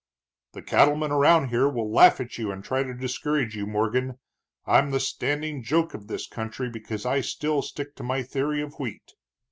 "These cattlemen around here will laugh at you and try to discourage you, Morgan. I'm the standing joke of this country because I still stick to my theory of wheat."